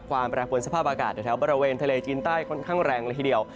แปรปวนสภาพอากาศแถวบริเวณทะเลจีนใต้ค่อนข้างแรงเลยทีเดียว